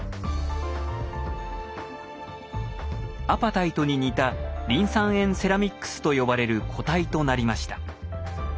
アパタイトに似たリン酸塩セラミックスと呼ばれる固体となりました。